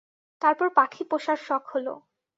তারপর পাখি পােষার শখ হল।